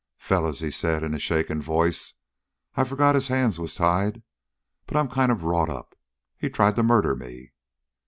"Fellows," he said, in a shaken voice, "I forgot his hands was tied. But I'm kind of wrought up. He tried to murder me!"